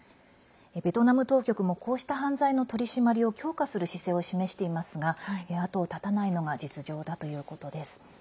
ベトナム当局もこうした犯罪の取り締まりを強化する姿勢を示していますが後を絶たないのが実情だということです。